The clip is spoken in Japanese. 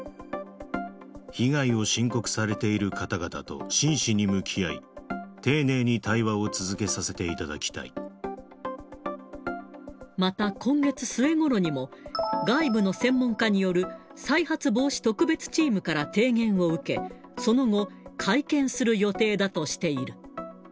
被害を申告されている方々と真摯に向き合い、丁寧に対話を続また今月末ごろにも、外部の専門家による再発防止特別チームから提言を受け、その後、会見する予定だとしている。